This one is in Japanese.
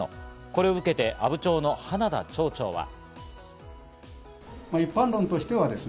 これを受けて阿武町の花田町長は。